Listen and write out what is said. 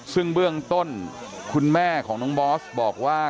ซึ่งเบื้องต้นคุณแม่ของน้องบอสบอกว่า